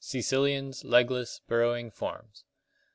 Csecilians, legless, burrowing forms.